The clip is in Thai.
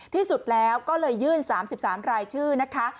ที่สุดแล้วก็เลยยื่นสามสิบสามรายชื่อนะคะ